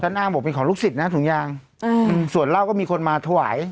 อ้างบอกเป็นของลูกศิษย์นะถุงยางอืมส่วนเหล้าก็มีคนมาถวาย